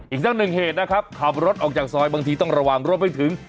อีกทั้งหนึ่งเหตุนะครับขับรถออกจากซอยบางทีต้องระวังรวมไปถึง